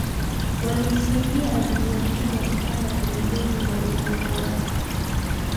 walimsaidia abiria mmoja kupanda kwenye boti za uokoaji